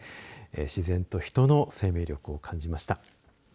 自然と人の生命力を感じました。